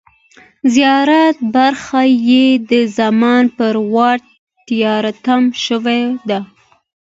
زیاته برخه یې د زمان پر واټ تری تم شوې ده.